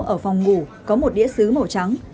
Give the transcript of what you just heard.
ở phòng ngủ có một đĩa xứ màu trắng